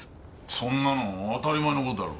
そんなの当たり前の事だろう。